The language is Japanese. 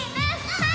はい！